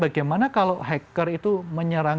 bagaimana kalau hacker itu menyerang